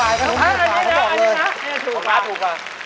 อันนี้ค่ะนี่ถูกต้อง